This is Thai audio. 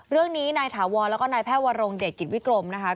เรื่องนี้นายถาวรแล้วก็นายแพทย์วรงเดชกิจวิกรมนะคะ